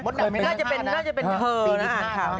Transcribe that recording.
น่าจะเป็นเธอน่ะอ่านค่ะ